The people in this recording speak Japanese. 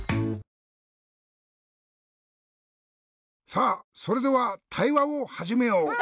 さあそれではたいわをはじめよう。